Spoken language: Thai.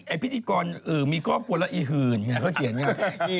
ไอ้พิธีกรมีข้อปวดละอีหื่นเขาเขียนอย่างนี้